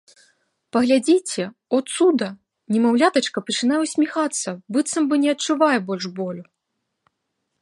Паглядзіце — о цуда — немаўлятачка пачынае ўсміхацца, быццам бы не адчувае больш болю.